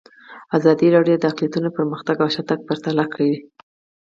ازادي راډیو د اقلیتونه پرمختګ او شاتګ پرتله کړی.